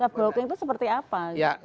blocking itu seperti apa